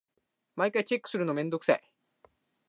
毎回チェックするのめんどくさい。